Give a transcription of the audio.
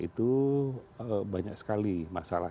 itu banyak sekali masalah